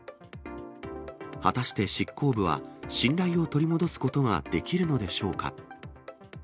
果たして執行部は、信頼を取り戻すことができるのでしょうか。